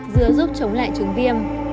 dứa giúp chống lại trứng viêm